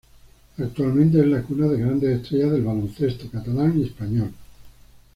Actualmente es la cuna de grandes estrellas del baloncesto catalán y español.